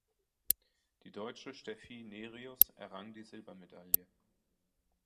Die Deutsche Steffi Nerius errang die Silbermedaille.